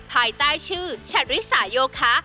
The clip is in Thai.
ภายใต้ชื่อชัตริสาโยคะ